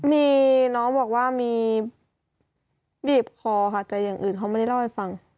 มีน้องบอกว่ามีบีบคอค่ะแต่อย่างอื่นเขาไม่ได้เล่าให้ฟัง